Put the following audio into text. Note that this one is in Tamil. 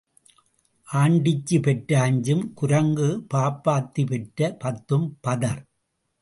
ஆண்டிச்சி பெற்ற அஞ்சும் குரங்கு பாப்பாத்தி பெற்ற பத்தும் பதர்.